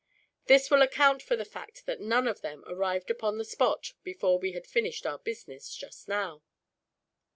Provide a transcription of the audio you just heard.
This will account for the fact that none of them arrived upon the spot before we had finished our business, just now.